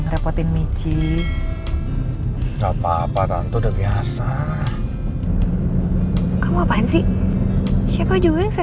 ngerepotin michi capa capa tante udah biasa kamu apaan sih siapa juga yang